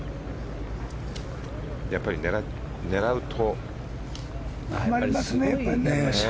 やっぱり狙うと。